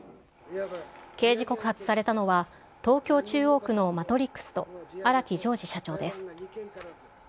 刑事告発されたのは、東京・中央区のＭＡＴＲＩＸと荒木襄治社長です。